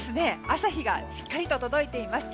朝日がしっかりと届いています。